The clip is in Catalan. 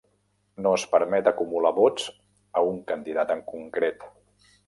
No es permet acumular vots a un candidat en concret.